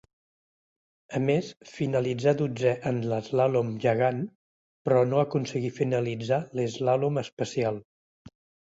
A més finalitzà dotzè en l'eslàlom gegant però no aconseguí finalitzar l'eslàlom especial.